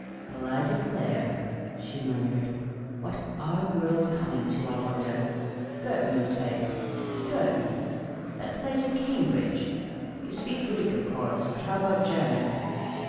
" Well, I declare," she murmured. " What are girls coming to, I wonder ? Girton, you say ; Girton ! That place at Cam bridge ! You speak Greek, of course ; but how about Ger man